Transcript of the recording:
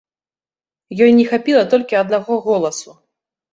Ёй не хапіла толькі аднаго голасу.